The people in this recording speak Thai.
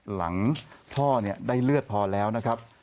หลังพ่อได้เลือดพอแล้วนะครับ